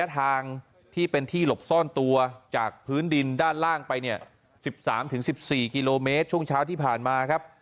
ทางที่เป็นที่หลบซ่อนตัวจากพื้นดินด้านล่างไปเนี่ย๑๓๑๔กิโลเมตรช่วงเช้าที่ผ่านมาครับ